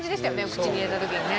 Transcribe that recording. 口に入れた時にね